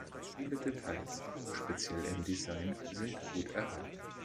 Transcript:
Viele Details, speziell im Design, sind gut erhalten.